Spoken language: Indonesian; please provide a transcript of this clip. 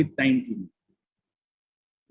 ya tentunya karena ini adalah terpapar covid sembilan belas